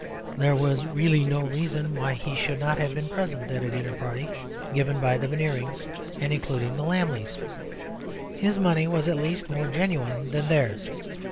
There was really no reason why he should not have been present at a dinner party given by the Veneerings and including the Lammles. His money was at least more genuine than theirs.